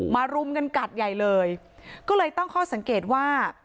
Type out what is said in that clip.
รุมกันกัดใหญ่เลยก็เลยตั้งข้อสังเกตว่า